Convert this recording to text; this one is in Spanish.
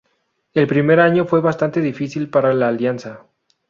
El primer año fue bastante difícil para la Alianza.